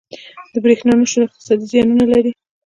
• د برېښنا نه شتون اقتصادي زیانونه لري.